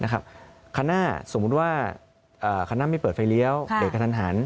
นะครับคันหน้าสมมุติว่าอ่าคันหน้าไม่เปิดไฟเรียวค่ะเด็กกับทันหัน